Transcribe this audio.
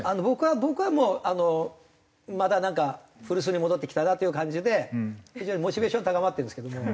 僕はもうまたなんか古巣に戻ってきたなという感じで非常にモチベーション高まってるんですけども。